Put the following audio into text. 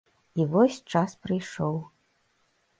І вось час прыйшоў.